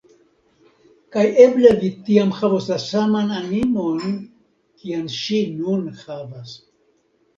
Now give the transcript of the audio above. Kaj eble vi tiam havos la saman animon, kian ŝi nun havas.